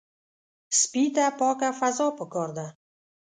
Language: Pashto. سپي ته پاکه فضا پکار ده.